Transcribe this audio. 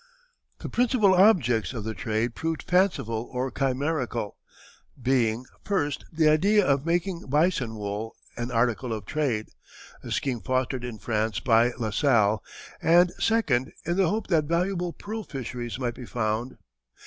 The principal objects of the trade proved fanciful or chimerical, being, first, the idea of making bison wool an article of trade, a scheme fostered in France by La Salle, and, second, in the hope that valuable pearl fisheries might be found.